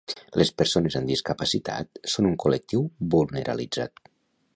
Les persones amb discapacitat són un col·lectiu vulnerabilitzat.